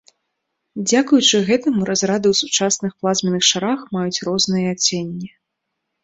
Дзякуючы гэтаму разрады ў сучасных плазменных шарах маюць розныя адценні.